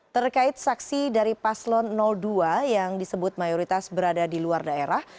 terkait saksi dari paslon dua yang disebut mayoritas berada di luar daerah